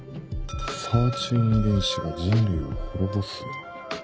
「サーチュイン遺伝子が人類を滅ぼす」。